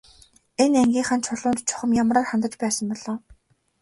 Энэ ангийнхан Чулуунд чухам ямраар хандаж байсан бол оо.